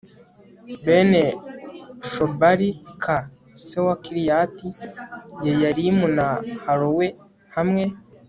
Bene Shobali k se wa Kiriyati Yeyarimu ni Harowe hamwe